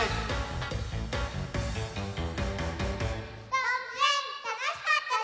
どうぶつえんたのしかったね！